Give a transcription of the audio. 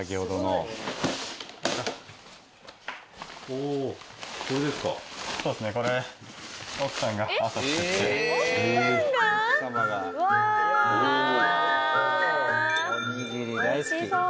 おにぎり大好き。